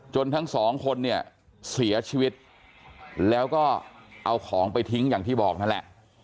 ทั้งสองคนเนี่ยเสียชีวิตแล้วก็เอาของไปทิ้งอย่างที่บอกนั่นแหละ